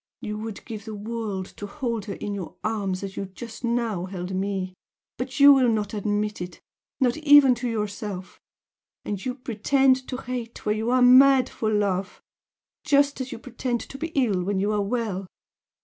You would give the world to hold her in your arms as you just now held ME but you will not admit it not even to yourself and you pretend to hate when you are mad for love! just as you pretend to be ill when you are well!